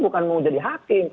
bukan mau jadi hakim